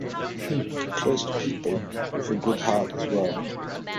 Close to people, with a good heart as well.